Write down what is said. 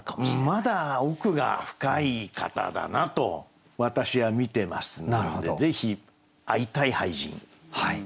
まだ奥が深い方だなと私は見てますのでぜひ会いたい俳人。